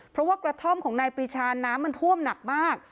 เพราะว่ากระท่อมของนายปรีชาน้ำมันท่วมหนักมาก